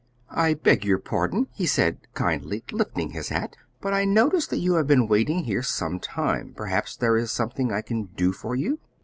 "I beg your pardon," he said kindly, lifting his hat, "but I notice that you have been waiting here some time. Perhaps there is something I can do for you."